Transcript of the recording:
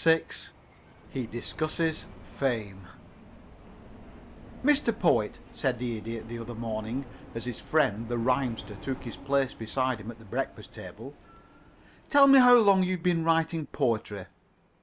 VI HE DISCUSSES FAME "Mr. Poet," said the Idiot, the other morning as his friend, the Rhymster, took his place beside him at the breakfast table, "tell me: How long have you been writing poetry?"